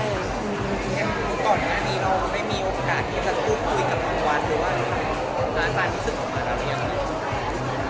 ตอนนี้เราไม่มีโอกาสที่จะพูดคุยกับบางวัดหรือว่าราชาณิชนของบางวัดหรือยังไง